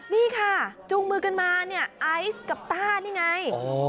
นี่ค่ะจูงมือกันมาเนี่ยไอซ์กับต้านี่ไง